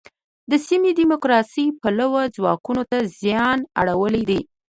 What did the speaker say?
د سیمې دیموکراسي پلوو ځواکونو ته زیان اړولی دی.